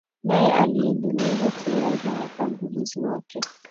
naye aliendeleza sera za watangulizi wake